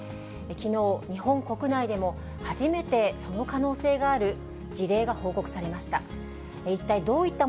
きのう、日本国内でも初めてその可能性がある事例が報告されました。